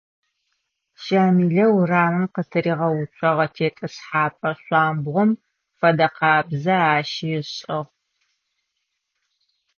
Щамилэ урамым къытыригъэуцогъэ тетӀысхьапӀэ шъуамбгъом фэдэкъабзэ ащи ышӀыгъ.